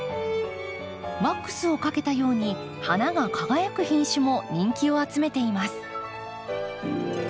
ワックスをかけたように花が輝く品種も人気を集めています。